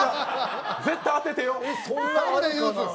絶対当ててよ。